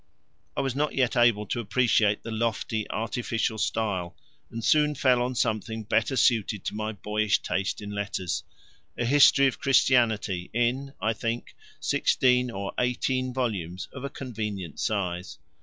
I was not yet able to appreciate the lofty artificial style, and soon fell on something better suited to my boyish taste in letters a History of Christianity in, I think, sixteen or eighteen volumes of a convenient size.